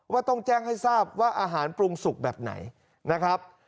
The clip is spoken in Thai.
ต้องแจ้งให้ทราบว่าอาหารปรุงสุกแบบไหนนะครับ